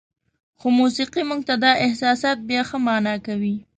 خو موسیقي موږ ته دا احساسات بیا ښه معنا کوي.